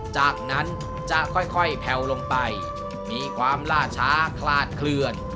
จากนั้นจะค่อยแผ่วลงไปมีความล่าช้าคลาดเคลื่อน